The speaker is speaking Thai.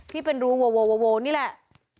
ที่เป็นรูโวนี่แหละ